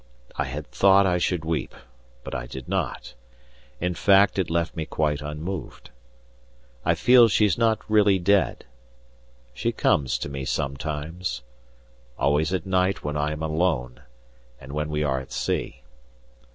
I had thought I should weep, but I did not; in fact it left me quite unmoved. I feel she's not really dead; she comes to me sometimes, always at night when I am alone and when we are at sea.